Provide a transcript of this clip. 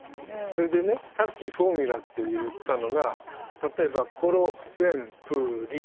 それでねさっきフォーミュラと言ったのが例えば「コロウェンプリ」